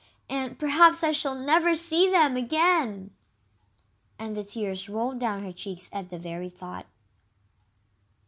And perhaps I shall never see them again!" And the tears rolled down her cheeks at the very thought.